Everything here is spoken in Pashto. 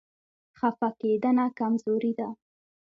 خفه کېدنه کمزوري ده.